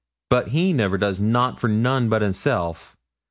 But he never does nout for none but hisself.